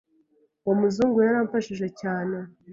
Uwo muzungu yaramfashije cyane